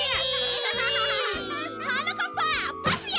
はなかっぱパスや！